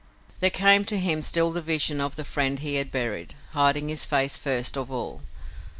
There came to him still the vision of the friend he had buried, hiding his face first of all.